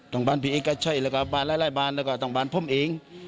บ้านพี่เอกก็ใช่แล้วก็บ้านหลายบ้านแล้วก็ต้องบ้านผมเอง